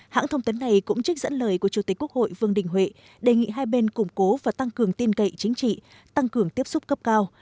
hãng thông tấn này cũng trích dẫn lời của chủ tịch quốc hội vương đình huệ đề nghị hai bên củng cố và tăng cường tin cậy chính trị tăng cường tiếp xúc cấp cao